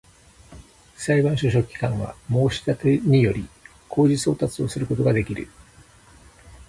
裁判所書記官は、申立てにより、公示送達をすることができる